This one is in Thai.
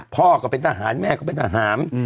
พ่อก็เป็นทหารแม่ก็เป็นทหาร